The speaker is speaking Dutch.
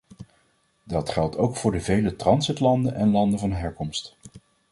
Dat geldt ook voor de vele transitlanden en landen van herkomst.